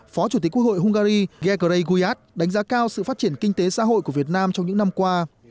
phó chủ tịch quốc hội hungary gekrey guidez đánh giá cao sự phát triển kinh tế xã hội của việt nam trong những năm qua